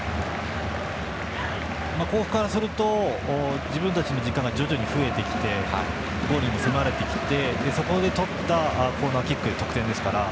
甲府からすると自分たちの時間が徐々に増えてきてゴールにも迫れてきてそこでとったコーナーキックで得点ですから。